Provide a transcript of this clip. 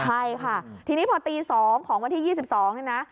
ใช่ค่ะทีนี้พอตีสองของวันที่ยี่สิบสองนี่น่ะ